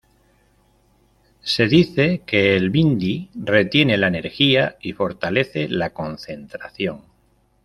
Se dice que el bindi retiene la energía y fortalece la concentración.